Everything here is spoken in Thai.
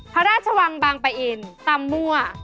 พระราชวังบางปะอินตำมั่ว